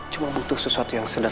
cuma butuh sesuatu yang sederhana